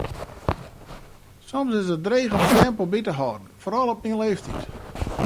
Soms is it dreech om it tempo by te hâlden, foaral op myn leeftiid.